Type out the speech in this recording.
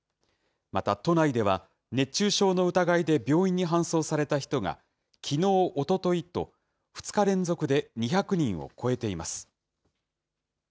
また、都内では熱中症の疑いで病院に搬送された人が、きのう、おとといと２日連続で２００人を超えています。